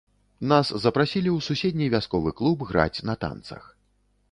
Нас запрасілі ў суседні вясковы клуб граць на танцах.